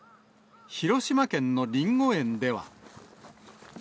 広島県のりんご園では。